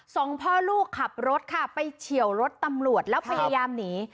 สองพ่อลูกขับรถค่ะไปเฉียวรถตำรวจแล้วพยายามหนี